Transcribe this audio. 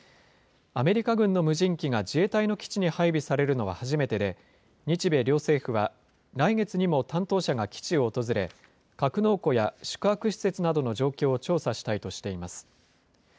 アメリカ軍の無人機が自衛隊の基地に配備されるのは初めてで、日米両政府は、来月にも担当者が基地を訪れ、格納庫や宿泊施設などの状況を調査したいとしています。